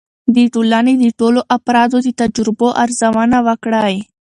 د ټولنې د ټولو افرادو د تجربو ارزونه وکړئ.